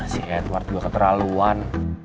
si edward gua keterlaluan